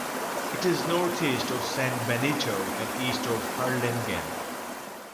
It is northeast of San Benito and east of Harlingen.